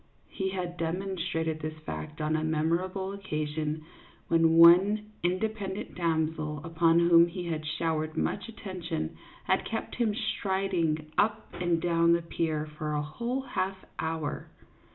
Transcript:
He had demonstrated this fact on a memorable occasion when one independent damsel upon whom he had showered much attention had kept him striding up and down the pier for a whole half hour.